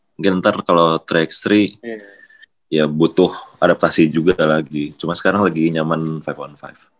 mungkin nanti kalau tiga x tiga ya butuh adaptasi juga lagi cuma sekarang lagi nyaman lima on lima